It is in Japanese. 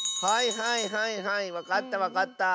はいはいはいわかったわかった。